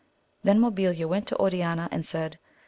Then Mabilia went to Oriana and said.